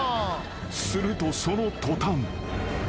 ［するとその途端］